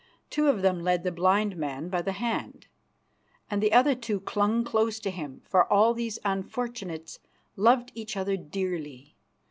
Two of them led the blind man by the hand, and the other two clung close to him, for all these unfortunates loved each other dearly.